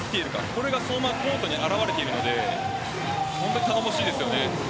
それがこのままコートに表れているので本当に頼もしいです。